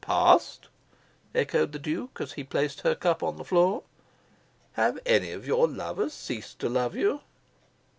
"Past?" echoed the Duke, as he placed her cup on the floor. "Have any of your lovers ceased to love you?"